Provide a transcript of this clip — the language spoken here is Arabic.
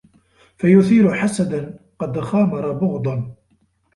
فَيُثِيرُ حَسَدًا قَدْ خَامَرَ بُغْضًا